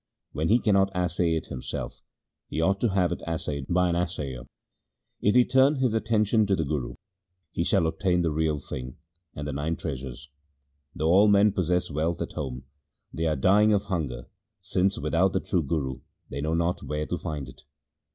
When he cannot assay it himself, he ought to have it assayed by an assayer. 2 If he turn his attention to the Guru, he shall obtain the real thing, 3 and the nine treasures. Though all men possess wealth at home, they are dying of hunger, since without the true Guru they know not where to find it.